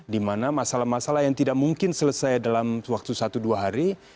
di mana masalah masalah yang tidak mungkin selesai dalam waktu satu dua hari